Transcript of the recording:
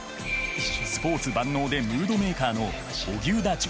スポーツ万能でムードメーカーの荻生田隼平。